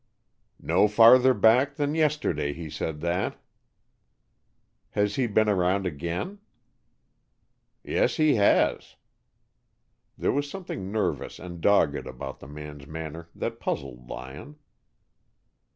"No farther back than yesterday he said that." "Has he been around again?" "Yes, he has." There was something nervous and dogged about the man's manner that puzzled Lyon.